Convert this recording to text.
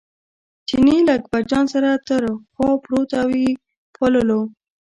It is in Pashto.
چیني له اکبرجان سره تر خوا پروت او یې پاللو.